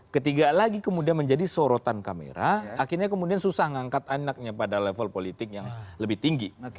ketiga lagi kemudian menjadi sorotan kamera akhirnya kemudian susah mengangkat anaknya pada level politik yang lebih tinggi